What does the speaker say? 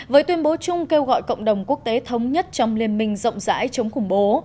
với tuyên bố chung kêu gọi cộng đồng quốc tế thống nhất trong liên minh rộng rãi chống khủng bố